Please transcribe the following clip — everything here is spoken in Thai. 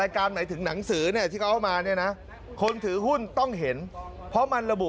การหมายถึงหนังสือเนี่ยที่เขาเอามาเนี่ยนะคนถือหุ้นต้องเห็นเพราะมันระบุ